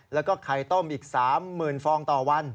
แล้วก็ไข่ต้มอีก๓๐๐๐ฟองต่อวัน